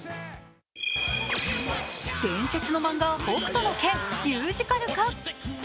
伝説の漫画「北斗の拳」ミュージカル化。